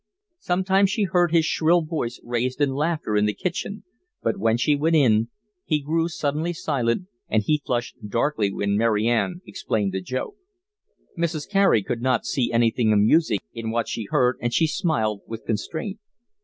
Sometimes she heard his shrill voice raised in laughter in the kitchen, but when she went in, he grew suddenly silent, and he flushed darkly when Mary Ann explained the joke. Mrs. Carey could not see anything amusing in what she heard, and she smiled with constraint.